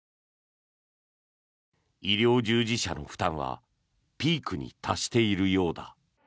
医療従事者の負担はピークに達しているようだ。